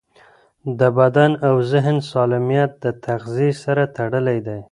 د بدن او ذهن سالمیت د تغذیې سره تړلی دی.